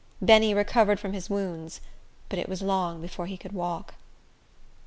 Benny recovered from his wounds; but it was long before he could walk.